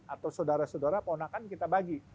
atau saudara saudara ponakan kita bagi